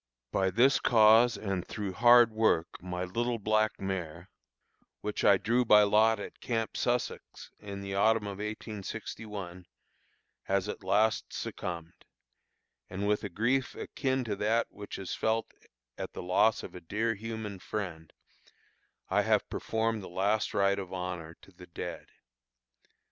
By this cause and through hard work my little black mare, which I drew by lot at Camp Sussex in the autumn of 1861, has at last succumbed, and, with a grief akin to that which is felt at the loss of a dear human friend, I have performed the last rite of honor to the dead.